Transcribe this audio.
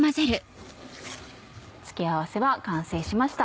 付け合わせは完成しました。